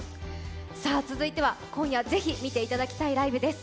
続いては今夜是非見ていただきたいライブです。